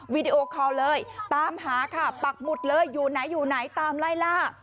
วิดีโอคอลเลยตามหาค่ะปักหมุดเลยอยู่ไหนอยู่ไหนตามไล่ล่า